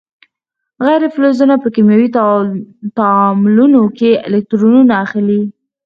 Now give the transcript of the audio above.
غیر فلزونه په کیمیاوي تعاملونو کې الکترونونه اخلي.